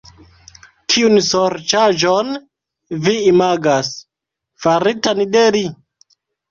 Kiun sorĉaĵon vi imagas, faritan de li?